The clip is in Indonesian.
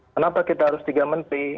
kenapa kita harus tiga menteri